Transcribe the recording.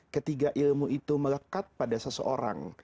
ketiga ilmu itu melekat pada seseorang